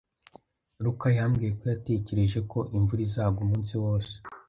Luka yambwiye ko yatekereje ko imvura izagwa umunsi wose.